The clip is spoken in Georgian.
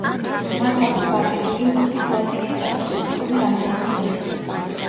მას აქვს გაყიდული მულტი-პლატინის სტატუსის მქონე რამდენიმე დისკი.